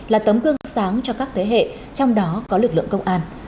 là tấm gương sáng cho các thế hệ trong đó có lực lượng công an